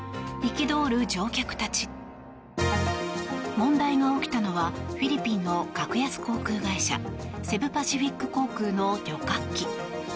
問題が起きたのはフィリピンの格安航空会社セブ・パシフィック航空の旅客機。